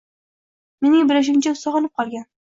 Mening bilishimcha, u sog‘inib o‘lgan.